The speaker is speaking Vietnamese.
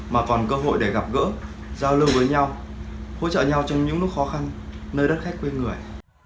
mà còn cơ hội để gặp gỡ giao lưu với nhau hỗ trợ nhau trong những lúc khó khăn nơi đất khách quê người